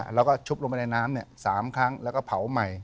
แล้วก็ชุบลงไปในน้ำ๓ครั้งแล้วก็เผาใหม่